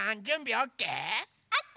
オッケー！